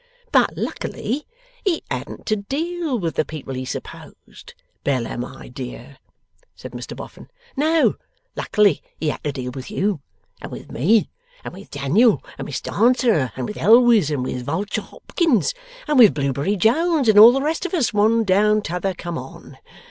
'But luckily he hadn't to deal with the people he supposed, Bella, my dear!' said Mr Boffin. 'No! Luckily he had to deal with you, and with me, and with Daniel and Miss Dancer, and with Elwes, and with Vulture Hopkins, and with Blewbury Jones and all the rest of us, one down t'other come on.